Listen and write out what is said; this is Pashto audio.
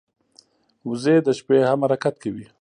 وزې د شپې هم حرکت کوي